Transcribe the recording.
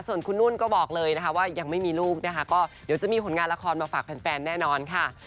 ส่วนคุณนุ่นก็บอกเลยนะคะว่ายังไม่มีลูกนะคะก็เดี๋ยวจะมีผลงานละครมาฝากแฟนแน่นอนค่ะ